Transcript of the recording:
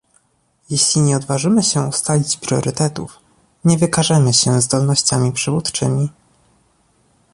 Jeśli nie odważymy się ustalić priorytetów, nie wykażemy się zdolnościami przywódczymi